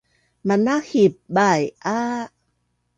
Manahip baia